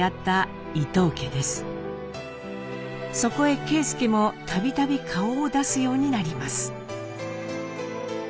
そこへ啓介も度々顔を出すようになります。